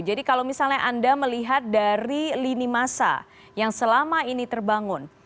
jadi kalau misalnya anda melihat dari lini masa yang selama ini terbangun